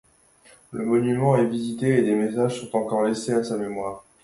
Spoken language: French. Le monument est toujours visité et des messages sont encore laissés à sa mémoire.